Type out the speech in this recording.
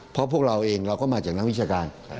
เพราะพวกเราเองเราก็มาจากนักวิชาการ